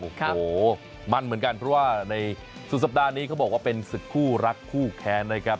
โอ้โหมันเหมือนกันเพราะว่าในสุดสัปดาห์นี้เขาบอกว่าเป็นศึกคู่รักคู่แค้นนะครับ